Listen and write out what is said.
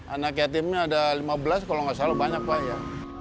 anak yatimnya ada lima belas kalau nggak salah banyak pak ya